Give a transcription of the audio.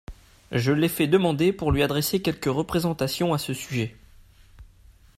Je l’ai fait demander pour lui adresser quelques représentations à ce sujet.